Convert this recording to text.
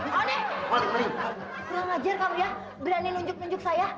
kurang ajar kamu ya berani nunjuk nunjuk saya